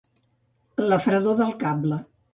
La fredor del cable.